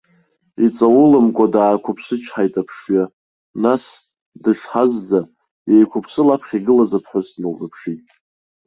Иҵауламкәа даақәыԥсычҳаит аԥшҩы, нас дышҳазӡа, еиқәыԥсы лаԥхьа игылаз аԥҳәыс дналзыԥшит.